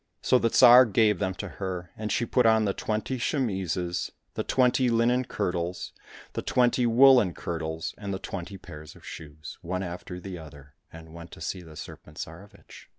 — So the Tsar gave them to her, and she put on the twenty chemises, the twenty linen kirtles, the twenty woollen kirtles, and the twenty pairs of shoes, one after the other, and went to see the Serpent Tsarevich.